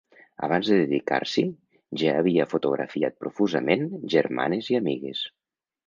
Abans de dedicar-s’hi, ja havia fotografiat profusament germanes i amigues.